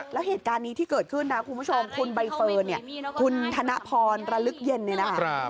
แล้วเหตุการณ์นี้ที่เกิดขึ้นนะคุณผู้ชมคุณใบเฟิร์นเนี่ยคุณธนพรระลึกเย็นเนี่ยนะคะ